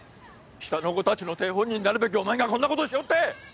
下の子たちの手本になるべきお前がこんなことをしおって！